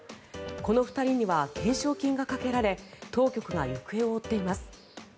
この２人には懸賞金がかけられ当局が行方を追っています。